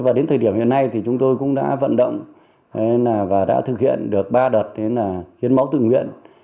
và đến thời điểm hiện nay thì chúng tôi cũng đã vận động và đã thực hiện được ba đợt hiến máu tình nguyện